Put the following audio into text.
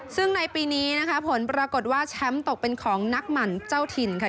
ซึ่งในปีนี้นะคะผลปรากฏว่าแชมป์ตกเป็นของนักหมั่นเจ้าถิ่นค่ะ